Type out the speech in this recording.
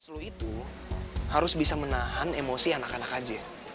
slu itu harus bisa menahan emosi anak anak aja